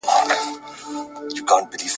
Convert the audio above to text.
او تر اوسه مي نه مادي .